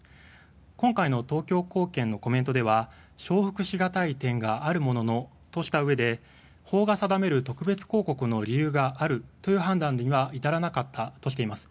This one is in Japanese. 今回の東京高検のコメントでは承服しがたい点があるものの、としたうえで法が定める特別抗告の理由があるという判断には至らなかったとしています。